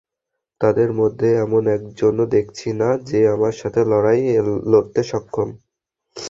তোমাদের মধ্যে এমন একজনও দেখছি না যে আমার সাথে লড়তে সক্ষম।